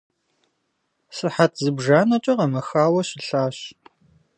Сыхьэт зыбжанэкӏэ къэмэхауэ щылъащ.